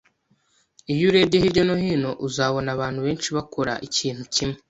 Iyo urebye hirya no hino, uzabona abantu benshi bakora ikintu kimwe